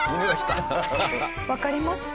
わかりました？